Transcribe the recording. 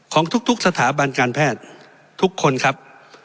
ของทุกสถาบันการแพทย์ทุกคนครับ